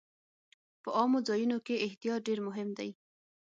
په عامو ځایونو کې احتیاط ډېر مهم دی.